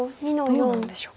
どうなんでしょう。